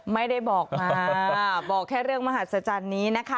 ไม่ได้บอกมาบอกแค่เรื่องมหัศจรรย์นี้นะคะ